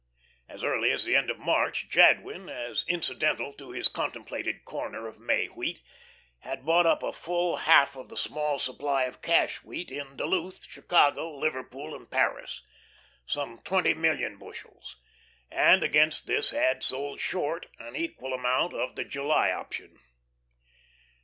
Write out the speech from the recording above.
As early as the end of March Jadwin, as incidental to his contemplated corner of May wheat, had bought up a full half of the small supply of cash wheat in Duluth, Chicago, Liverpool and Paris some twenty million bushels; and against this had sold short an equal amount of the July option.